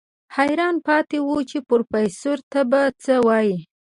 حيران پاتې و چې پروفيسر ته به څه وايي.